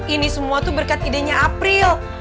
ini semua tuh berkat idenya april